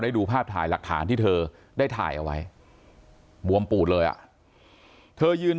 ดูภาพถ่ายหลักฐานที่เธอได้ถ่ายเอาไว้บวมปูดเลยอ่ะเธอยืน